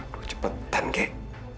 aduh cepetan gek